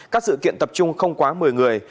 các sự kiện tập trung không quá một mươi người